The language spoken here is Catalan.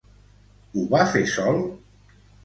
Ho va fer sol?